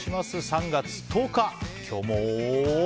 ３月１０日、今日も。